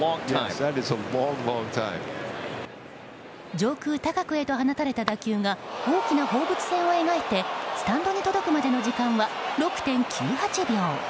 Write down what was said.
上空高くへと放たれた打球が大きな放物線を描いてスタンドに届くまでの時間は６．９８秒。